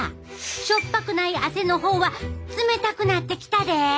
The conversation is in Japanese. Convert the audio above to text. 塩っぱくない汗のほうは冷たくなってきたで！